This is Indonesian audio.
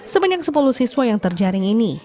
sebanyak sepuluh siswa yang terjaring ini